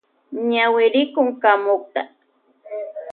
Ñawirikun kamuta.